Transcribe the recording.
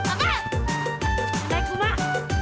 tidak naik gua pak